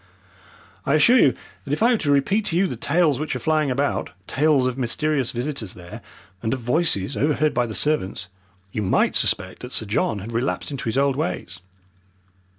I assure you that if I were to repeat to you the tales which are flying about, tales of mysterious visitors there, and of voices overheard by the servants, you might suspect that Sir John had relapsed into his old ways."